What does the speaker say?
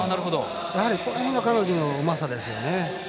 やはりこの辺が彼女のうまさですよね。